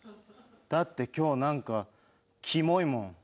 だって今日なんかキモいもん。